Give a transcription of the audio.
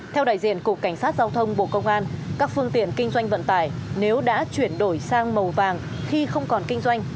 theo đại diện cục cảnh sát giao thông bộ công an các phương tiện kinh doanh vận tải nếu đã chuyển đổi sang màu vàng khi không còn kinh doanh